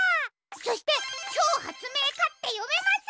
そして「ちょうはつめいか」ってよめます！